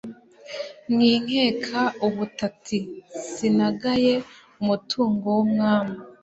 Mwinkeka ubutati, Sinagaye umutungo w'Umwami